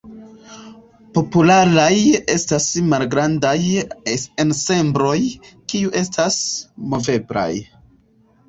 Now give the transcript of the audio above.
Popularaj estas malgrandaj ensembloj, kiuj estas moveblaj.